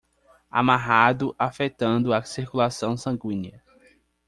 Amarrado afetando a circulação sanguínea